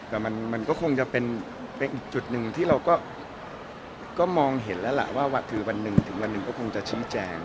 แต่มันก็คงจะเป็นอีกจุดหนึ่งที่เราก็มองเห็นแล้วล่ะว่าคือวันหนึ่งถึงวันหนึ่งก็คงจะชี้แจง